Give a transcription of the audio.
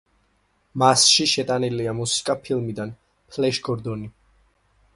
მასში შეტანილია მუსიკა ფილმიდან „ფლეშ გორდონი“.